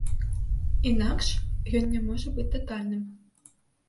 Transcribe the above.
Інакш ён не можа быць татальным.